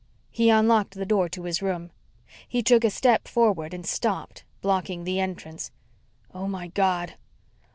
He unlocked the door to his room. He took a step forward and stopped, blocking the entrance. "Oh, my God!"